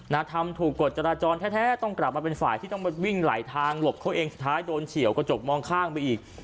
ทำถูกกฎจราจรแท้ต้องกลับมาเป็นฝ่ายที่ต้องมาวิ่งไหลทางหลบเขาเองสุดท้ายโดนเฉียวกระจกมองข้างไปอีก